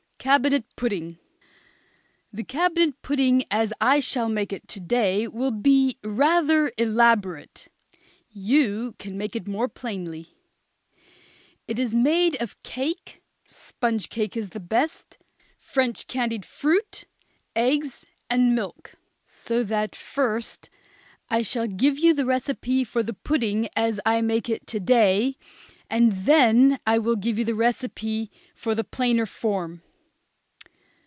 CABINET PUDDING. The cabinet pudding as I shall make it to day will be rather elaborate. You can make it more plainly. It is made of cake, sponge cake is the best, French candied fruit, eggs and milk. So that, first, I shall give you the recipe for the pudding as I make it to day, and then I will give you the recipe for the plainer form.